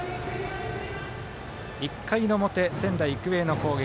１回の表、仙台育英の攻撃。